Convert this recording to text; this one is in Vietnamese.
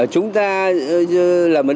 chúng ta là một đất nước